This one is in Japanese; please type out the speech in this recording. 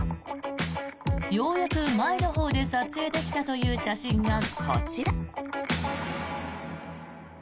ようやく前のほうで撮影できたという写真がこちら。